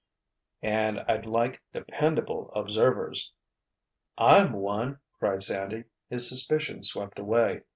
And I'd like dependable observers——" "I'm one!" cried Sandy, his suspicions swept away.